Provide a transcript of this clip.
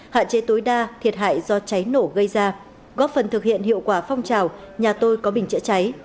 hạn chế tối đa thiệt hại do cháy nổ gây ra góp phần thực hiện hiệu quả phong trào nhà tôi có bình chữa cháy